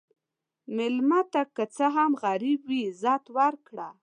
مېلمه ته که څه هم غریب وي، عزت ورکړه.